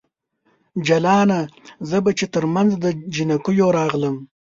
جلانه ! زه به چې ترمنځ د جنکیو راغلم